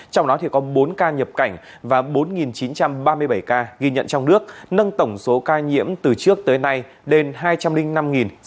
trong đó có bốn ca nhập cảnh và bốn chín trăm ba mươi bảy ca ghi nhận trong nước nâng tổng số ca nhiễm từ trước tới nay đến hai trăm linh năm sáu trăm năm mươi sáu ca